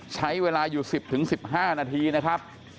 ใช้เวลาอยู่๑๐๑๕นาทีนะครับ